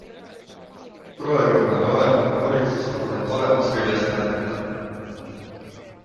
Praegu on aga aeg, kui valitsus tahab end paremast küljest näidata.